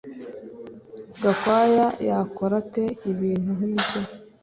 Gakwaya yakora ate ibintu nkibyo